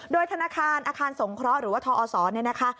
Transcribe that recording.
โดยธนาคารอาคารสงเคราะห์หรือว่าทอศเนี่ยนะคะ